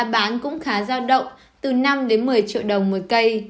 bán cũng khá giao động từ năm đến một mươi triệu đồng một cây